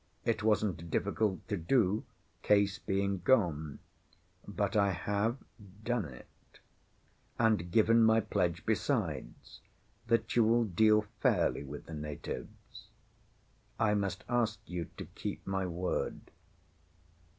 It wasn't difficult to do, Case being gone; but I have done it, and given my pledge besides that you will deal fairly with the natives. I must ask you to keep my word."